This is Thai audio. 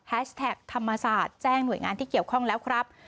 ธรรมศาสตร์แจ้งหน่วยงานที่เกี่ยวข้องแล้วครับ